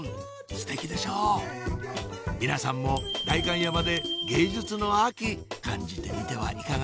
ステキでしょう皆さんも代官山で芸術の秋感じてみてはいかがでしょう？